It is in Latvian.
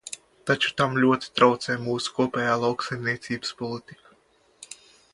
Taču tam ļoti traucē mūsu kopējā lauksaimniecības politika.